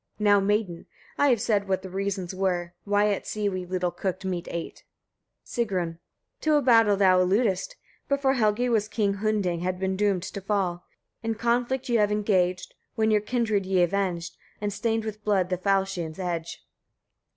Now, maiden! I have said what the reasons were, why at sea we little cooked meat ate. Sigrun. 8. To a battle thou alludest. Before Helgi has King Hunding been doomed to fall. In conflict ye have engaged, when your kindred ye avenged, and stained with blood the falchion's edge.